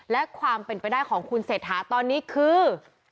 และความเป็นไปได้ของคุณเศรษฐาตอนนี้คือ